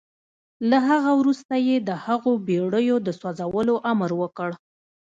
له هغه وروسته يې د هغو بېړيو د سوځولو امر وکړ.